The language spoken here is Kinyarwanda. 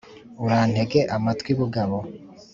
urantege amatwi bugabo